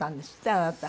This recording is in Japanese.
あなた。